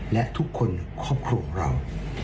และทุกคนครอบครัวของเรา